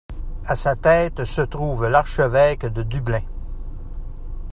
À sa tête se trouve l’archevêque de Dublin.